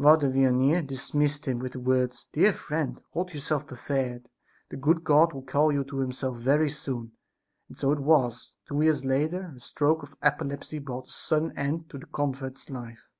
Father Vianney dismissed him with the words; "Dear friend, hold yourself prepared; the good God will call you to Himself very soon!" And so it was. Two years later a stroke of apoplexy brought to a sudden end the convert's life.